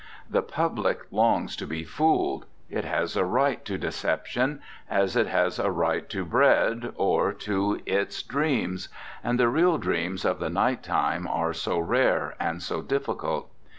The public longs to be fooled. It has a right to decep tion, as it has a right to bread, or to its 69 RECOLLECTIONS OF OSCAR WILDE dreams and the real dreams of the night time are so rare and so difficult!